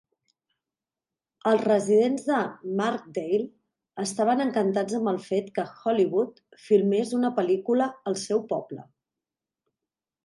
Els residents de Markdale estaven encantats amb el fet que Hollywood filmés una pel·lícula al seu poble.